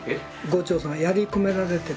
牛腸さんやり込められてる。